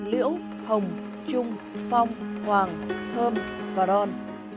liễu hồng trung phong hoàng thơm và don